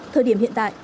thời điểm hiện tại